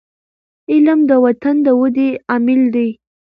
علم د وطن د ودي عامل دی.